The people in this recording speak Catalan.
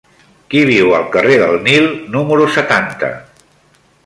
Qui viu al carrer del Nil número setanta?